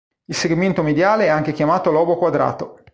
Il segmento mediale è anche chiamato lobo quadrato.